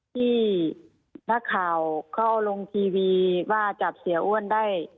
ที่นักข่าวเขาลงทีวีว่าจับเสียอ้วนได้